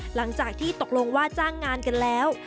หลังจากที่ตกลงว่าจ้างงานกันแล้ว